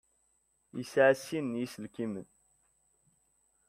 Yesɛa sin n yiselkimen.